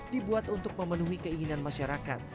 dibuat untuk memenuhi keinginan masyarakat